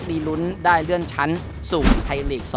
มีลุ้นได้เลื่อนชั้นสู่ไทยลีก๒